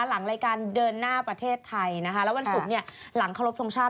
หลังรายการเดินหน้าประเทศไทยนะคะแล้ววันศุกร์เนี่ยหลังเคารพทงชาติ